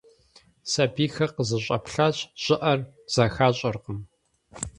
Сэбийхэр къызэщӀэплъащ, щӀыӀэр зэхащӀэркъым.